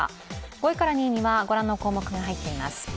５位から２位には御覧の項目が入っています。